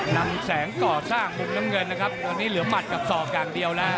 นำแสงก่อสร้างมุมน้ำเงินนะครับตอนนี้เหลือหมัดกับศอกอย่างเดียวแล้ว